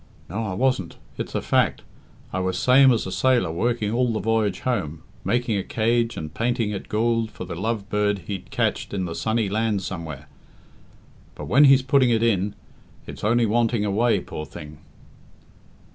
No, I wasn't; it's a fact. I was same as a sailor working all the voyage home, making a cage, and painting it goold, for the love bird he's catcht in the sunny lands somewhere; but when he's putting it in, it's only wanting away, poor thing."